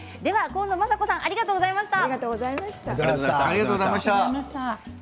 河野雅子さんありがとうございました。